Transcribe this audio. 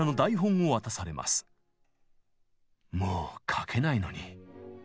「もう書けないのに」。